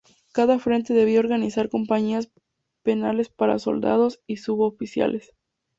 Cada frente debía organizar compañías penales para soldados y suboficiales.